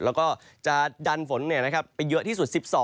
แล้วก็จะดันฝนไปเยอะที่สุด๑๒